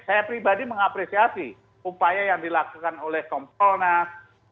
saya pribadi mengapresiasi upaya yang dilakukan oleh kompolnas